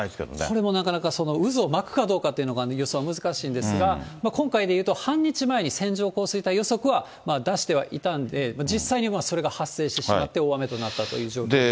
これもなかなかその渦を巻くかどうかっていうのが予想が難しいんですが、今回でいうと半日前に線状降水帯予測は出してはいたんで、実際にそれが発生してしまって、大雨となったという状況です。